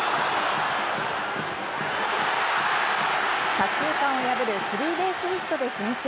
左中間を破るスリーベースヒットで先制。